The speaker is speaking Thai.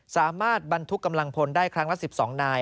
สามารถบรรทุกกำลังพลได้ครั้งละ๑๒นาย